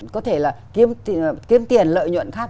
có thể là kiếm tiền lợi nhuận khác